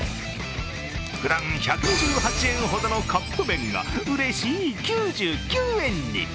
ふだん１２８円ほどのカップ麺がうれしい９９円に。